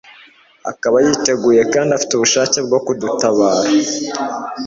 akaba yiteguye kandi afite ubushake bwo kudutabara